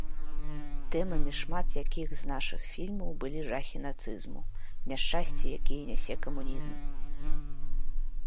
Тэмамі шмат якіх з нашых фільмаў былі жахі нацызму, няшчасці, якія нясе камунізм.